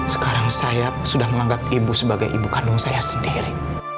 sekarang saya sudah menganggap ibu sebagai ibu kandung saya sendiri